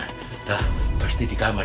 hah pasti di kamar